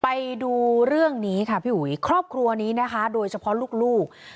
ไปดูเรื่องนี้ค่ะพี่อุ๋ยครอบครัวนี้นะคะโดยเฉพาะลูก